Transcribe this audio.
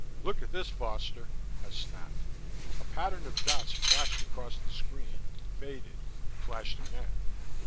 "Look at this, Foster," I snapped. A pattern of dots flashed across the screen, faded, flashed again....